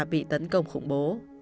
bị tấn công khủng bố